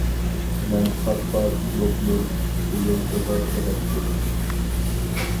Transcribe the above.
مەن پات پات لوپنۇر بىلوگىغا كىرەتتىم.